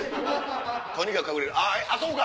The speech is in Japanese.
とにかく隠れるあぁあそこか！